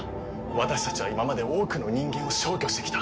私たちは今まで多くの人間を消去してきた。